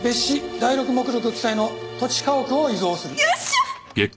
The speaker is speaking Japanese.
第六目録記載の土地家屋を遺贈する」よっしゃ！